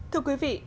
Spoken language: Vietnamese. thưa quý vị